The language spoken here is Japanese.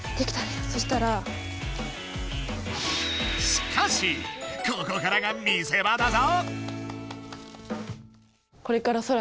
しかしここからが見せ場だぞ！